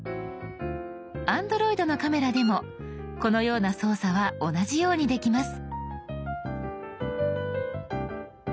Ａｎｄｒｏｉｄのカメラでもこのような操作は同じようにできます。